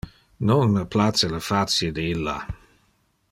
Non me place le facie de illa.